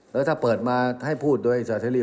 แล้วถ้าเปิดมาให้พูดโดยสาเสรี